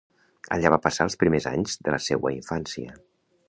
Allà va passar els primers anys de la seua infància.